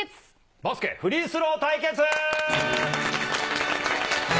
バスケフリースロー対決。